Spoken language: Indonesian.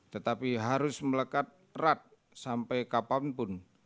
tetapi harus melekat erat sampai kapanpun